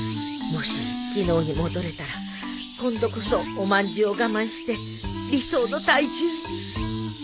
もし昨日に戻れたら今度こそおまんじゅうを我慢して理想の体重に